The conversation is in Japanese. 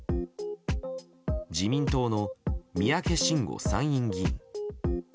自民党の三宅伸吾参院議員。